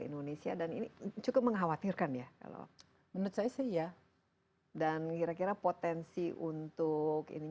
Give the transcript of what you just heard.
indonesia dan ini cukup mengkhawatirkan ya kalau menurut saya sih ya dan kira kira potensi untuk ini